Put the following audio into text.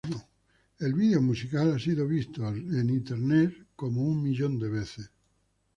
El video musical ha sido visto en YouTube alrededor de un millón de veces.